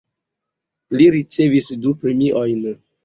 Li ricevis du premiojn.